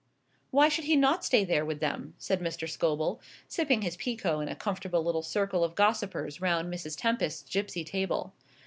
"Why should he not stay there with them?" said Mr. Scobel, sipping his pekoe in a comfortable little circle of gossipers round Mrs. Tempest's gipsy table.